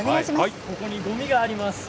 ここにごみがあります。